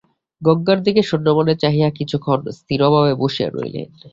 গঙ্গার দিকে শূন্যমনে চাহিয়া কিছুক্ষণ স্থিরভাবে বসিয়া রহিলেন।